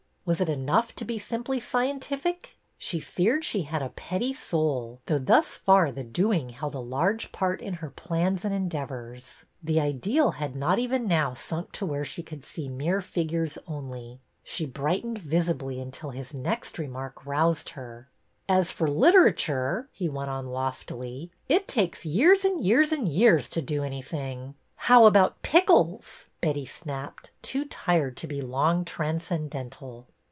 Was it enough to be simply scientific ? She feared she had a petty soul, though thus far the doing " held a large part in her plans and endeavors ; the ideal had not even now sunk to where she could see mere figures only. She brightened visibly until his next remark roused her. '' As for literature,'' he went on loftily, it takes years and years and years to do anything." How about pickles ?" Betty snapped, too tired to be long transcendental.